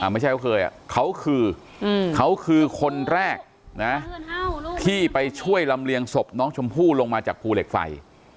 ไม่ใช่เขาเคยเขาคือเขาคือคนแรกนะที่ไปช่วยลำเลียงศพน้องชมพู่ลงมาจากภูเหล็กไฟ